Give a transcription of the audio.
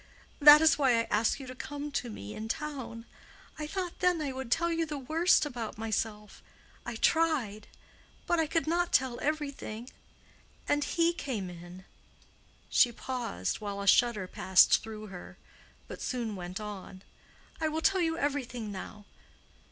That is why I asked you to come to me in town. I thought then I would tell you the worst about myself. I tried. But I could not tell everything. And he came in." She paused, while a shudder passed through her; but soon went on. "I will tell you everything now.